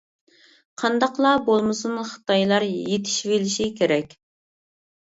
قانداقلا بولمىسۇن، خىتايلار يېتىشىۋېلىشى كېرەك.